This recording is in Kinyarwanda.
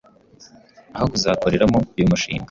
aho kuzakoreramo uyu mushinga.